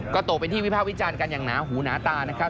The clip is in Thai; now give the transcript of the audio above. ก็ตกเป็นที่วิภาควิจารณ์กันอย่างหนาหูหนาตานะครับ